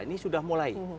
ini sudah mulai